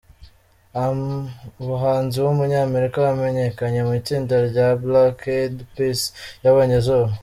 am, umuhanzi w’umunyamerika wamenyekanye mu itsinda rya The Black Eyed Peas yabonye izuba.